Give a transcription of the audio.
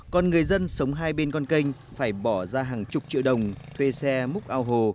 còn người dân sống hai bên con kênh phải bỏ ra hàng chục triệu đồng thuê xe múc ao hồ